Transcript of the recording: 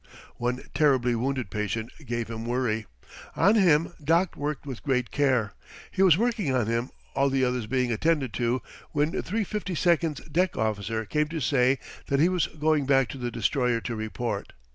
One terribly wounded patient gave him worry. On him Doc worked with great care. He was working on him, all the others being attended to, when the 352's deck officer came to say that he was going back to the destroyer to report.